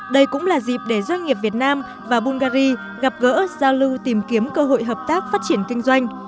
đây cũng là dịp để doanh nghiệp việt nam và bungary gặp gỡ giao lưu tìm kiếm cơ hội hợp tác phát triển kinh doanh